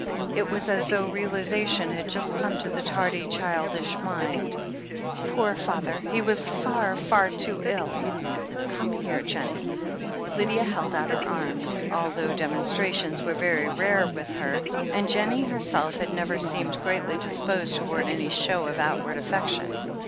It was as though realization had just come to the tardy, childish mind. "Poor father ! He was far, far too ill. Come here, Jennie." Lydia held out her arms, although demonstrations were very rare with her, and Jennie herself had never seemed greatly disposed towards any show of outward affection.